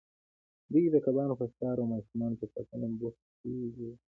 دوی د کبانو په ښکار او ماشومانو په ساتنه بوختې وې.